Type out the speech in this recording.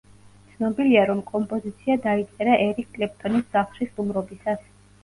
ცნობილია, რომ კომპოზიცია დაიწერა ერიკ კლეპტონის სახლში სტუმრობისას.